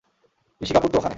ঋষি কাপুর তো ওখানে।